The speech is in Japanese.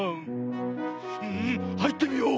うんはいってみよう！